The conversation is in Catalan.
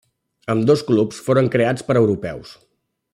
Ambdós clubs foren creats per europeus.